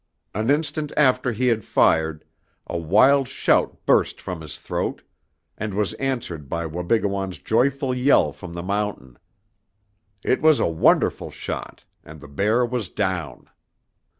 An instant after he had fired a wild shout burst from his throat, and was answered by Wabigoon's joyful yell from the mountain. It was a wonderful shot, and the bear was down!